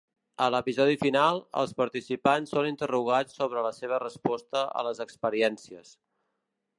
A l'episodi final, els participants són interrogats sobre la seva resposta a les experiències.